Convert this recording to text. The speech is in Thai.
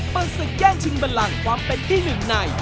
เปิดศึกแย่งชิงบันลังความเป็นที่หนึ่งใน